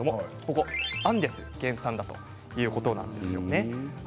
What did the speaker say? アンデス原産だということなんですよね。